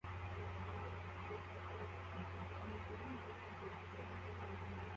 ibitabo n ibikinisho mugihe umwe asoma igitabo kinini cyabana